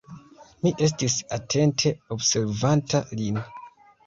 Mi estis atente observanta lin.